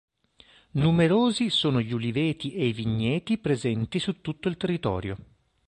Numerosi sono gli uliveti e i vigneti presenti su tutto il territorio.